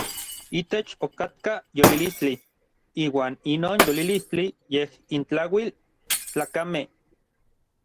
Itech okatka yolilistli, iuan inon yolilistli yej intlauil n tlakamej.